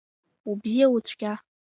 Убзиа, уцәгьа…